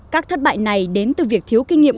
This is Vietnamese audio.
các thất bại này đến từ việc thiếu kinh nghiệm